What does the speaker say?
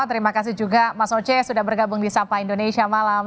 terima kasih juga mas oce sudah bergabung di sapa indonesia malam